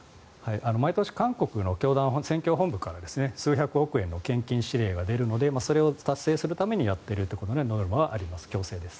毎年、韓国の宣教本部から数百億円の献金指令があるのでそれを達成するためにやっているということなのでノルマはあります。